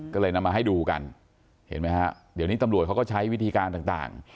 ก็เลยนำมาให้ดูกันเห็นไหมฮะเดี๋ยวนี้ตำรวจเขาก็ใช้วิธีการต่าง